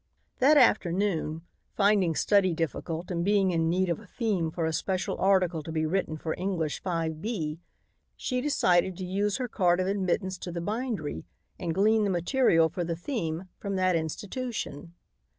That afternoon, finding study difficult and being in need of a theme for a special article to be written for English 5b, she decided to use her card of admittance to the bindery and glean the material for the theme from that institution.